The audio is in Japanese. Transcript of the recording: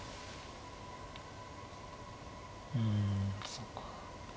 うんそうか。